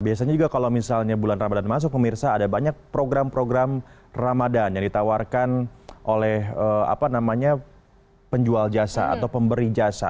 biasanya juga kalau misalnya bulan ramadan masuk pemirsa ada banyak program program ramadan yang ditawarkan oleh penjual jasa atau pemberi jasa